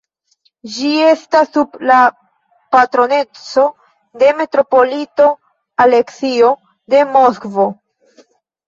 Ĝi estas sub la patroneco de metropolito Aleksio de Moskvo.